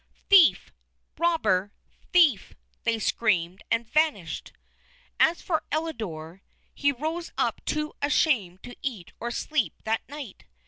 "Thief!" "Robber!" "Thief!" they screamed, and vanished. As for Elidore, he rose up too ashamed to eat or sleep that night.